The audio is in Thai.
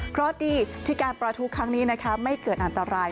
เพราะดีที่การประทุครั้งนี้ไม่เกิดอันตราย